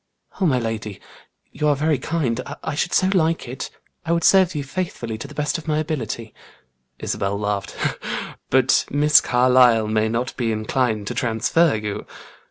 "Oh, my lady, you are very kind! I should so like it! I would serve you faithfully to the best of my ability." Isabel laughed. "But Miss Carlyle may not be inclined to transfer you."